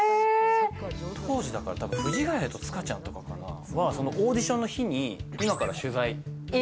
当時、藤ヶ谷とか塚ちゃんとかかなオーディションの日に今から取材。